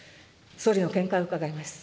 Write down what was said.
総理の見解を伺います。